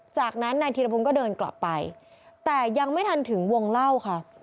จากนั้นนายธีรพงศ์ก็เดินกลับไปแต่ยังไม่ทันถึงวงเล่าค่ะ